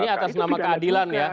ini atas nama keadilan ya